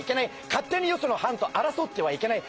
勝手によその藩と争ってはいけない。